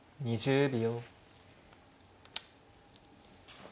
２０秒。